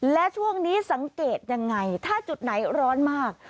และช่วงนี้สังเกตยังไงถ้าจุดไหนร้อนมาก